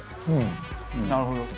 なるほど。